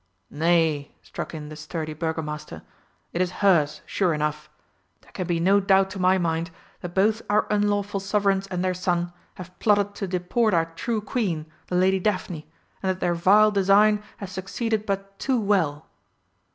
"Nay," struck in the sturdy Burgomaster, "it is hers, sure enough. There can be no doubt to my mind that both our unlawful sovereigns and their son have plotted to deport our true Queen, the Lady Daphne, and that their vile design has succeeded but too well!"